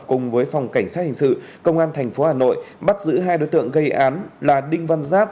cùng với phòng cảnh sát hình sự công an tp hà nội bắt giữ hai đối tượng gây án là đinh văn giáp